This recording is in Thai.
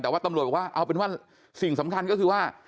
แต่ว่าตำรวจบอกว่าเอาเป็นว่าสิ่งสำคัญก็คือว่า